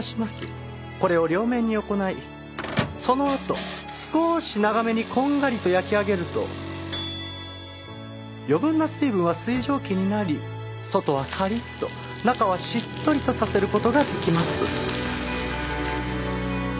これを両面に行いそのあと少し長めにこんがりと焼き上げると余分な水分は水蒸気になり外はカリッと中はしっとりとさせる事ができます。